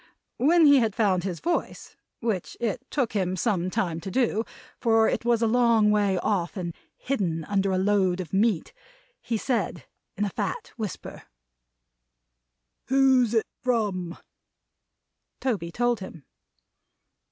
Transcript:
When he had found his voice which it took him some time to do, for it was a long way off and hidden under a load of meat he said in a fat whisper: "Who's it from?" Toby told him.